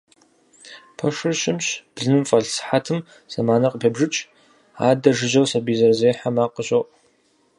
Пэшыр щымщ, блыным фӏэлъ сыхьэтым зэманыр къыпебжыкӏ, адэ жыжьэу сэбий зэрызехьэ макъ къыщоӏу.